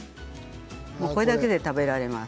これだけで食べられます。